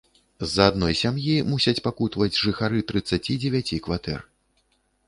З-за адной сям'і мусяць пакутаваць жыхары трыццаці дзевяці кватэр.